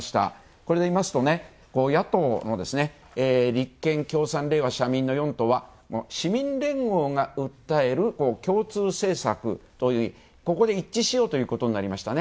これで見ますと、野党の立憲、共産、れいわ、社民の４党は市民連合が訴える共通政策という、ここで一致しようということになりましたね。